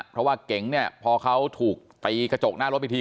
เพราะว่าเก๋งเนี่ยพอเขาถูกตีกระจกหน้ารถไปที